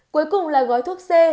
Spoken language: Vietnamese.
cuối cùng là gói thuốc c